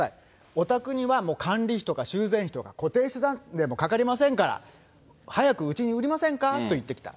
お宅にはもう管理費とか、修繕費とか固定資産税もかかりませんから、早くうちに売りませんかと言ってきた。